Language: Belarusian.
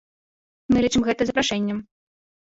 Мы лічым гэта запрашэннем.